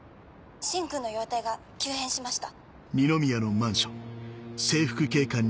芯君の容態が急変しました。